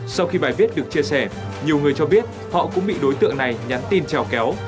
sau khi bài viết được chia sẻ nhiều người cho biết họ cũng bị đối tượng này nhắn tin trèo kéo